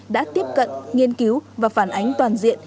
đã tiếp cận nghiên cứu và phản ánh toàn diện